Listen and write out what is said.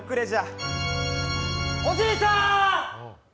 おじいさーん！